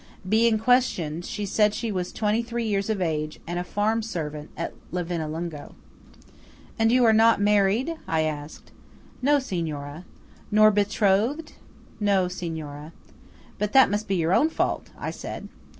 Being questioned, she said she was twenty three years of age, and a farm servant at Livinallungo. "And you are not married?" I asked. "No, Signora." "Nor betrothed?" "No, Signora." "But that must be your own fault," I said.